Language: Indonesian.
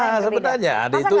nggak sebenarnya ada itu